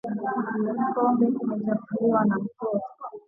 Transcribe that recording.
Kikombe kimechafuliwa na mtoto.